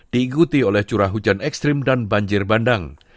diikuti oleh curah hujan ekstrim dan banjir bandang